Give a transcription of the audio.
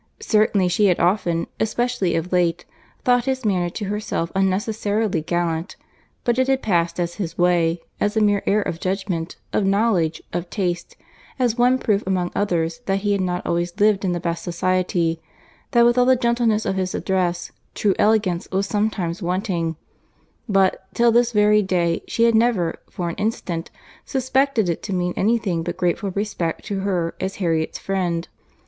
Certainly she had often, especially of late, thought his manners to herself unnecessarily gallant; but it had passed as his way, as a mere error of judgment, of knowledge, of taste, as one proof among others that he had not always lived in the best society, that with all the gentleness of his address, true elegance was sometimes wanting; but, till this very day, she had never, for an instant, suspected it to mean any thing but grateful respect to her as Harriet's friend.